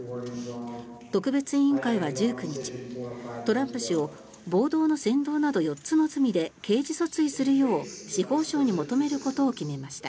特別委員会は、１９日トランプ氏を暴動の扇動など４つの罪で刑事訴追するよう司法省に求めることを決めました。